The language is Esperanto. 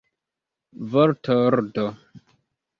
vortordo